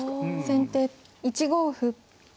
先手１五歩。